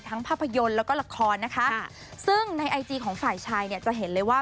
ภาพยนตร์แล้วก็ละครนะคะซึ่งในไอจีของฝ่ายชายเนี่ยจะเห็นเลยว่า